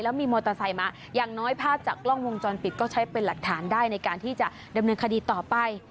มีมอเตอร์ไซค์มาอย่างน้อยภาพจากกล้องวงจรปิดก็ใช้เป็นหลักฐานได้ในการที่จะดำเนินคดีต่อไป